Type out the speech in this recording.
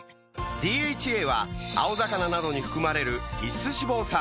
ＤＨＡは青魚などに含まれる必須脂肪酸